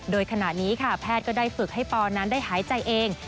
โดยขณะนี้ค่ะแพทย์ก็ได้ฝึกให้ปอนั้นได้หายใจเอง